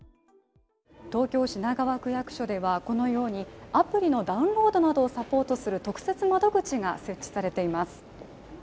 東京・品川区役所ではこのように、アプリのダウンロードなどをサポートする特設窓口が設置されています。